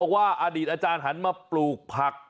ว่าอดีตอาจารย์หันมาปลูกผัก